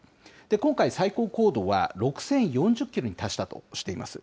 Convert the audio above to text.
今回、最高高度は６０４０キロに達したとしています。